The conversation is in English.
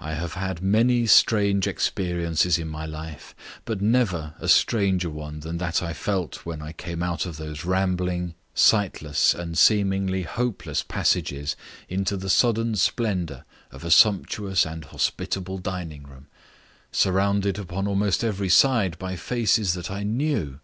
I have had many strange experiences in my life, but never a stranger one than that I felt when I came out of those rambling, sightless, and seemingly hopeless passages into the sudden splendour of a sumptuous and hospitable dining room, surrounded upon almost every side by faces that I knew.